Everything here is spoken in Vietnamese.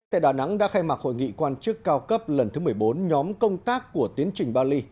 tại đà nẵng đã khai mạc hội nghị quan chức cao cấp lần thứ một mươi bốn nhóm công tác của tiến trình bali